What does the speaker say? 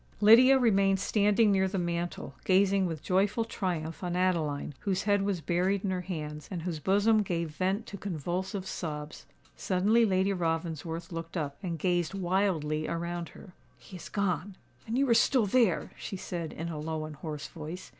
Lydia remained standing near the mantel, gazing with joyful triumph on Adeline, whose head was buried in her hands, and whose bosom gave vent to convulsive sobs. Suddenly Lady Ravensworth looked up, and gazed wildly around her. "He is gone—and you are still there!" she said, in a low and hoarse voice.